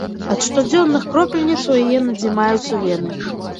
Ад штодзённых кропельніц у яе надзімаюцца вены.